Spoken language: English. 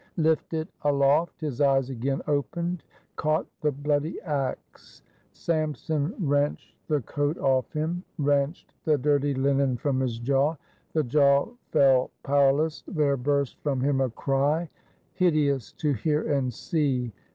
Lifted aloft, his eyes again opened; caught the bloody axe. Samson wrenched the 342 THE FALL OF ROBESPIERRE coat off him; wrenched the dirty linen from his jaw: the jaw fell powerless, there burst from him a cry; — hide ous to hear and see.